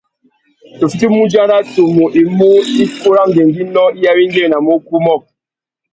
Tu fitimú udzara tumu i mú ikú râ ngüéngüinô i awéngüéwinamú ukú umô.